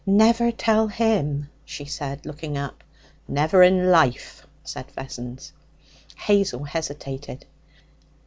'Never tell him,' she said, looking up. 'Never in life,' said Vessons. Hazel hesitated.